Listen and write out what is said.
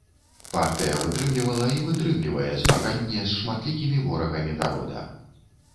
Партыя вытрымлівала і вытрымлівае змаганне з шматлікімі ворагамі народа.